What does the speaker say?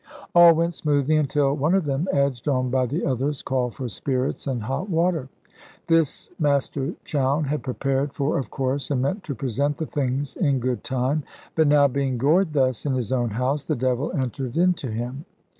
All went smoothly until one of them, edged on by the others, called for spirits and hot water. This Master Chowne had prepared for, of course, and meant to present the things in good time; but now being gored thus in his own house, the devil entered into him.